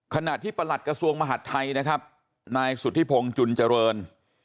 ขณะที่ประหลัดกระทรวงมหาดไทยนะครับนายสุธิพงศ์จุนเจริญ